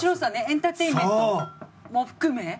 エンターテインメントも含め。